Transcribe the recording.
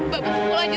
bapak pukul aja saya